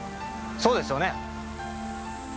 そうですよね？